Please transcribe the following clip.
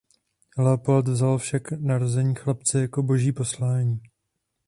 Leopold vzal však narození chlapce jako boží poslání.